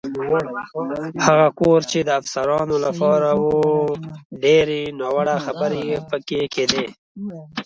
هغه کور چې د افسرانو لپاره و، ډېرې ناوړه خبرې پکې کېدې.